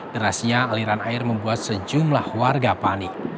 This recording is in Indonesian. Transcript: derasnya aliran air membuat sejumlah warga panik